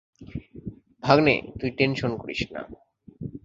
ভাগ্নে, তুই টেনশন করিস না।